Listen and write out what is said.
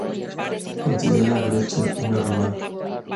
Considera a Gretchen una rival.